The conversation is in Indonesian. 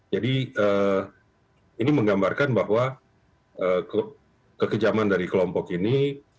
jadi ini menggambarkan bahwa kekejaman dari kelompok ini